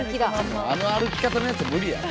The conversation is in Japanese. あの歩き方のやつ無理やろ。